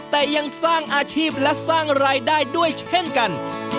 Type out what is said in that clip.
แต่ยังสร้างอาชีพและสร้างรายได้ด้วยเช่นกัน